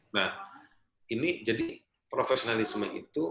nah ini jadi profesionalisme itu